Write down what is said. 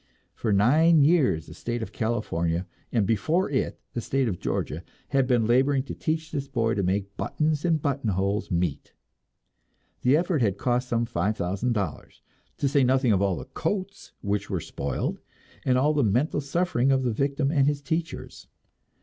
For nine years the state of California, and before it the state of Georgia, had been laboring to teach this boy to make buttons and buttonholes meet; the effort had cost some five thousand dollars, to say nothing of all the coats which were spoiled, and all the mental suffering of the victim and his teachers.